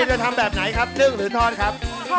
จะทำแบบไหนครับนึ่งหรือทอดครับ